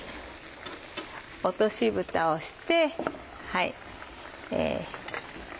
落としぶたをして。